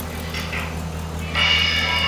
他获得了斯特林岭以西的土地特许状。